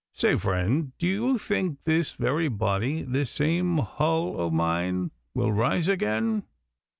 Say, friend, d'ye think this very body, this same hull o' mine, will rise again?